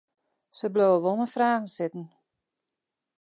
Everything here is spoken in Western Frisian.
Se bliuwe wol mei fragen sitten.